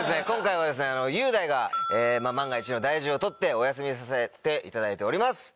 今回は雄大が万が一の大事をとってお休みさせていただいております！